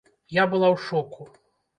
Я была ў шоку.